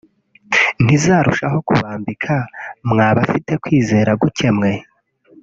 ntizarushaho kubambika mwa bafite kwizera guke mwe